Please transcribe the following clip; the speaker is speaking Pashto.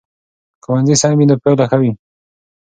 که ښوونځی سم وي نو پایله ښه وي.